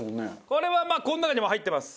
これはこの中にも入ってます。